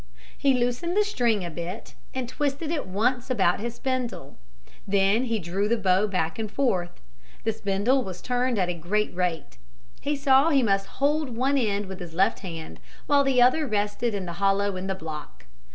He loosened the string a bit and twisted it once about his spindle. Then he drew the bow back and forth. The spindle was turned at a great rate. He saw he must hold one end with his left hand while the other rested in the hollow in the block.